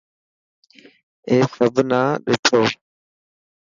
اي سڀ نا ڏٺو.